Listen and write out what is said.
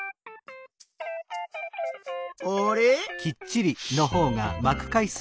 あれ？